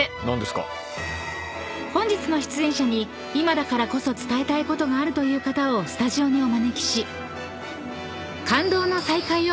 ［本日の出演者に今だからこそ伝えたいことがあるという方をスタジオにお招きし］